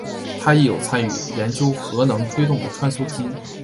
他亦有参与研究核能推动的穿梭机。